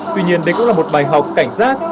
tuy nhiên đây cũng là một bài học cảnh giác